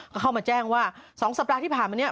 ก็เข้ามาแจ้งว่า๒สัปดาห์ที่ผ่านมาเนี่ย